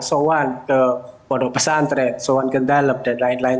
soan ke bodo pesantre soan ke dalem dan lain lain